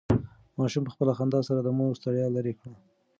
ماشوم په خپله خندا سره د مور ستړیا لرې کړه.